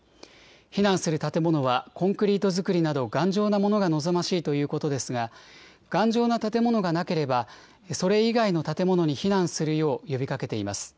避難する建物はコンクリート造りなど頑丈なものが望ましいということですが、頑丈な建物がなければ、それ以外の建物に避難するよう呼びかけています。